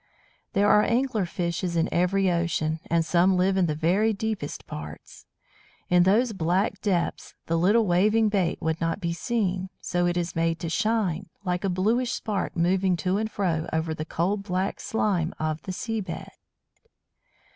There are Angler fishes in every ocean, and some live in the very deepest parts. In those black depths the little waving "bait" would not be seen. So it is made to shine, like a bluish spark moving to and fro over the cold black slime of the sea bed.